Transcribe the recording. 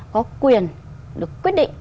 có quyền được quyết định